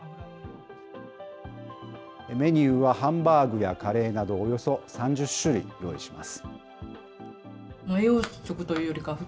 メニューはハンバーグやカレーなど、およそ３０種類用意します。